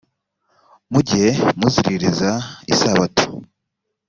mujye muziririza isabato